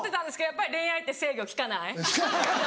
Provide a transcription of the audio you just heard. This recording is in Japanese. やっぱり恋愛って制御利かない。